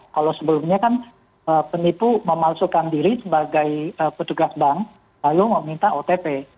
kalau sebelumnya kan penipu memalsukan diri sebagai petugas bank lalu meminta otp